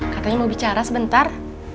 katanya mau bicara sebentar